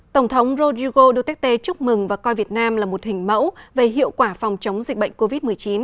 tổng thống rodrigo duterte chúc mừng và coi việt nam là một hình mẫu về hiệu quả phòng chống dịch bệnh covid một mươi chín